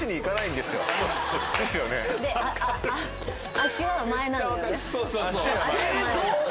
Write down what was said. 足は前なのよね。